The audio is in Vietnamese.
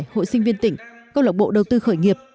hội sinh viên tỉnh công lộc bộ đầu tư khởi nghiệp